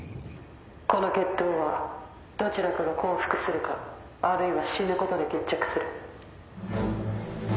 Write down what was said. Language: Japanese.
「この決闘はどちらかが降伏するかあるいは死ぬことで決着する」